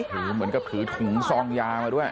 เหมือนกับถือถุงซองยามาด้วย